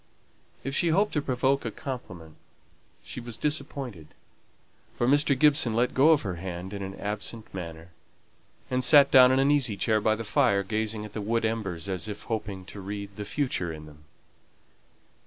If she hoped to provoke a compliment she was disappointed, for Mr. Gibson let go her hand in an absent manner, and sate down in an easy chair by the fire, gazing at the wood embers as if hoping to read the future in them.